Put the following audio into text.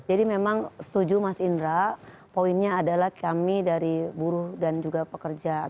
jadi memang setuju mas indra poinnya adalah kami dari buruh dan juga pekerja atau pekerja indonesia